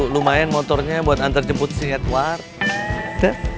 lumayan motornya buat antar jemput si edward